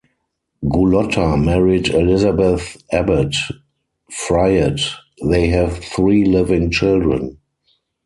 Gulotta married Elizabeth Abbott Fryatt; they have three living children.